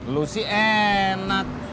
lo sih enak